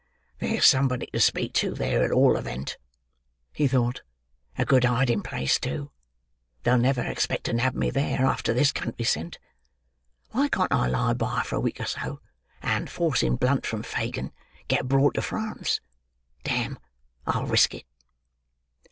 "There's somebody to speak to there, at all event," he thought. "A good hiding place, too. They'll never expect to nab me there, after this country scent. Why can't I lie by for a week or so, and, forcing blunt from Fagin, get abroad to France? Damme, I'll risk it."